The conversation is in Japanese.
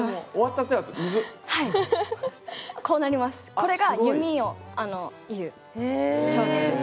これが弓を射る表現です。